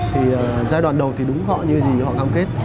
thì giai đoạn đầu thì đúng họ như gì họ cam kết